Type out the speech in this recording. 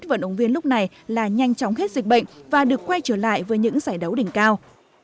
tôi hầu hết vận động viên lúc này là nhanh chóng hết dịch bệnh và được quay trở lại với những giải đấu đỉnh cao